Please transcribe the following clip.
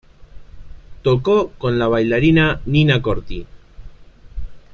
Tocó con la bailarina Nina Corti.